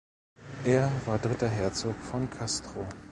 Er war dritter Herzog von Castro.